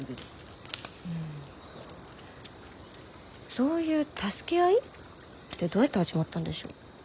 そういう助け合い？ってどうやって始まったんでしょう？